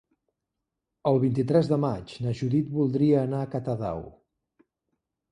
El vint-i-tres de maig na Judit voldria anar a Catadau.